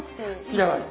要らない。